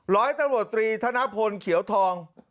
ร้อยตำรวจตรีธนพลเขียวทอง